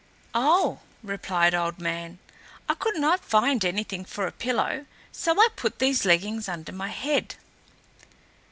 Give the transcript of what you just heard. "Oh," replied Old Man, "I could not find anything for a pillow, so I put these leggings under my head."